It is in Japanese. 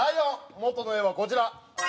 元の絵はこちら。